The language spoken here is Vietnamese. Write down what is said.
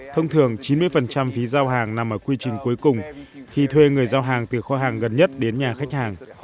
thông thường chín mươi phí giao hàng nằm ở quy trình cuối cùng khi thuê người giao hàng từ kho hàng gần nhất đến nhà khách hàng